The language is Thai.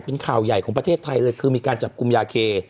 เป็นข่าวใหญ่ของประเทศไทยเลยคือมีการจับกลุ่มยาเค